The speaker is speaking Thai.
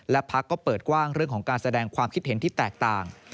และพักก็เปิดกว้างเรื่องของการแสดงความคิดเห็นที่แตกต่าง